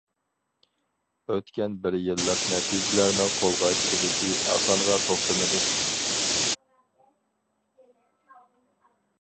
ئۆتكەن بىر يىللىق نەتىجىلەرنىڭ قولغا كېلىشى ئاسانغا توختىمىدى.